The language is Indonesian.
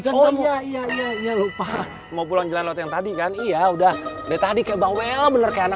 kan kamu ya ya ya lupa mau pulang jalan lo yang tadi kan iya udah udah tadi kebawah bener anak